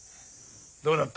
どうだった？